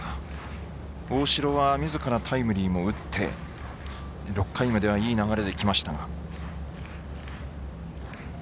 大城はみずからタイムリーも打って６回まではいい流れできましたが。